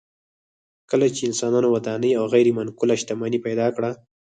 کله چې انسانانو ودانۍ او غیر منقوله شتمني پیدا کړه